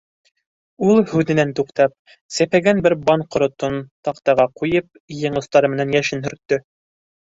— Ул, һүҙенән туҡтап, сәпәгән бер бант ҡоротон таҡтаға ҡуйып, ең остары менән йәшен һөрттө.